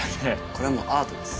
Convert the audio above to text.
これはもうアートです。